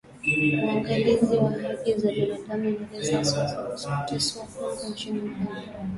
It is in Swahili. Uangalizi wa haki za binadamu inaelezea wasiwasi kuhusu kuteswa wafungwa nchini Uganda.